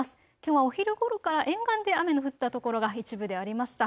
きょうはお昼ごろから沿岸で雨の降った所が一部でありました。